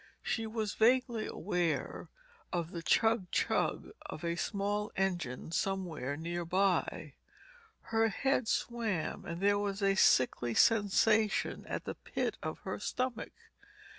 She was vaguely aware of the chug chug of a small engine somewhere near by. Her head swam and there was a sickly sensation at the pit of her stomach.